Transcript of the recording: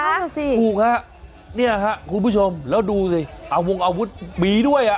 นั่นน่ะสิถูกฮะเนี่ยฮะคุณผู้ชมแล้วดูสิอาวงอาวุธมีด้วยอ่ะ